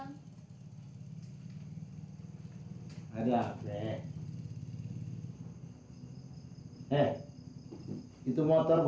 iya dah yang penting komisinya raya